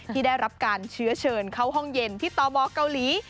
ที่ได้รับการเชื้อเชิญเข้าห้องเย็นที่ตมเกาหลี